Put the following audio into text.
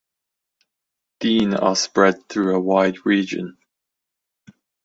Dene are spread through a wide region.